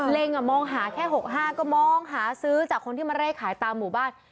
มองหาแค่๖๕ก็มองหาซื้อจากคนที่มาเร่ขายตามหมู่บ้าน